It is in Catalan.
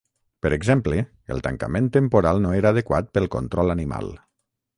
Per exemple, el tancament temporal no era adequat pel control animal.